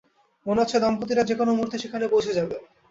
মনে হচ্ছে দম্পতিটা যেকোনো মূহুর্তে সেখানে পৌঁছে যাবে।